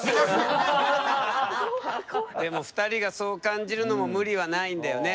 でも２人がそう感じるのも無理はないんだよね。